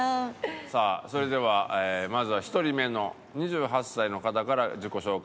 さあそれではまずは１人目の２８歳の方から自己紹介